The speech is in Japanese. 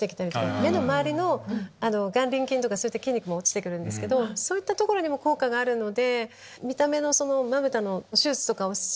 目の周りの眼輪筋とかそういった筋肉も落ちて来るんですけどそういった所にも効果があるので。